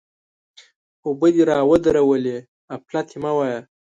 اوبه دې را ودرولې؛ اپلاتي مه وایه!